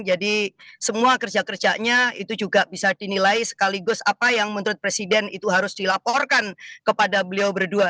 jadi semua kerja kerjanya itu juga bisa dinilai sekaligus apa yang menurut presiden itu harus dilaporkan kepada beliau berdua